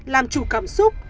làm chủ cảm xúc